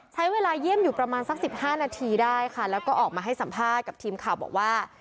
ใช้เวลาเยี่ยมอยู่ประมาณสัก๑๕นาทีได้ค่ะแล้วก็ออกมาให้สัมภาษณ์กับทีมข่าวบอกว่า